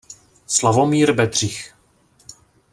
Slavomír Bedřich.